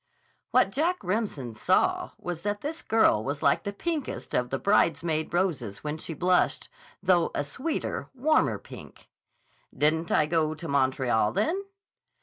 What Jack Remsen saw was that the girl was like the pinkest of the bridesmaid roses when she blushed, though a sweeter, warmer pink. "Didn't I go to Montreal, then?"